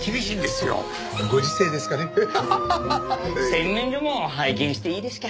洗面所も拝見していいですか？